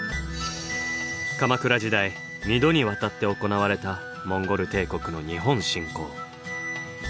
鎌倉時代２度にわたって行われたモンゴル帝国の日本侵攻。